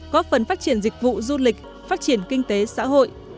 góp phần phát triển dịch vụ du lịch phát triển kinh tế xã hội